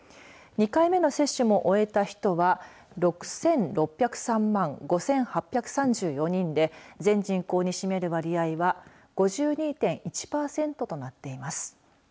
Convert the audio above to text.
２回目の接種も終えた人は６６０３万５８３４人で全人口に占める割合は５２．１パーセントとなっています。